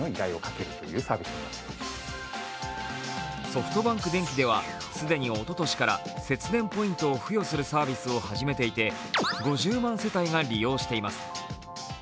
ソフトバンクでんきでは既におととしから節電ポイントを付与するサービスを始めていて５０万世帯が利用しています。